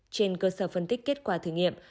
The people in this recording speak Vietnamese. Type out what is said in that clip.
trên cơ sở phân tích kết quả thử nghiệm